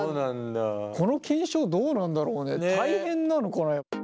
この検証どうなんだろうね大変なのかな？